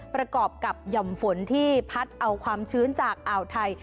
ประกอบกับหย่อมฝนที่พัดเอาความชื้นจากอ่าวไทย